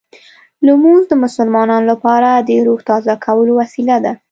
لمونځ د مسلمانانو لپاره د روح تازه کولو وسیله ده.